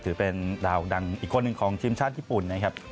ถือเป็นดาวดังอีกคนหนึ่งของทีมชาติญี่ปุ่นนะครับ